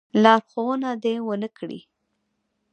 لارښودنه وکړي.